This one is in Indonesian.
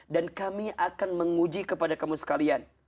dan kami akan menguji kepada kamu sekalian